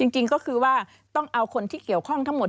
จริงก็คือว่าต้องเอาคนที่เกี่ยวข้องทั้งหมด